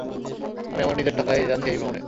আমি আমার নিজের টাকায় যাচ্ছি এই ভ্রমনে।